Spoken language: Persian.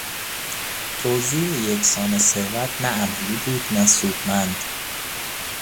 توزیع یکسان ثروت نه عملی بود نه سودمند.